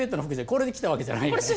これで来たわけじゃないよね？